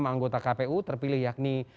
tujuh puluh enam anggota kpu terpilih yakni